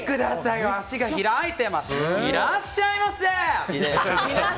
いらっしゃいませ！